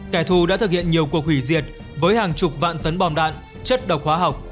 kẻ thù đã thực hiện nhiều cuộc hủy diệt với hàng chục vạn tấn bom đạn chất độc hóa học